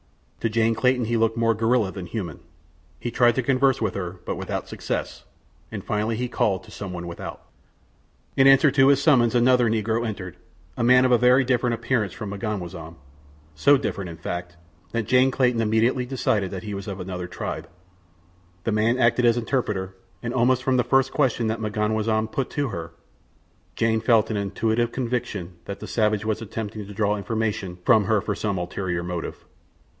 To Jane Clayton he looked more gorilla than human. He tried to converse with her, but without success, and finally he called to some one without. In answer to his summons another Negro entered—a man of very different appearance from M'ganwazam—so different, in fact, that Jane Clayton immediately decided that he was of another tribe. This man acted as interpreter, and almost from the first question that M'ganwazam put to her, Jane felt an intuitive conviction that the savage was attempting to draw information from her for some ulterior motive.